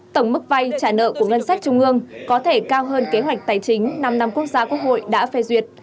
tổng mức vay trả nợ của ngân sách trung ương có thể cao hơn kế hoạch tài chính năm năm quốc gia quốc hội đã phê duyệt